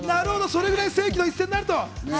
それぐらいの世紀の一戦になると。